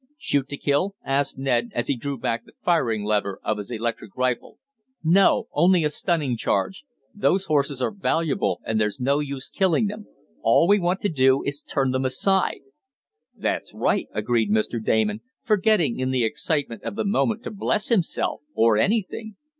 "Shoot to kill?" asked Ned, as he drew back the firing lever of his electric rifle. "No, only a stunning charge. Those horses are valuable, and there's no use killing them. All we want to do is to turn them aside." "That's right," agreed Mr. Damon, forgetting in the excitement of the moment to bless himself or anything.